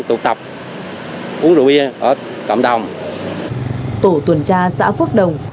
tổ tuần tra xã phước đồng